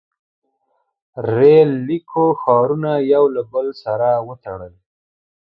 • ریل لیکو ښارونه یو له بل سره وتړل.